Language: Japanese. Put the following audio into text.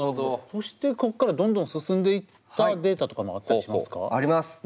そしてここからどんどん進んでいったデータとかもあったりしますか？